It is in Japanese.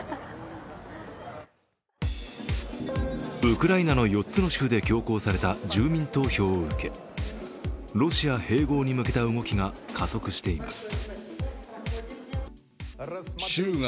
ウクライナの４つの州で強行された住民投票を受けロシア併合に向けた動きが加速しています。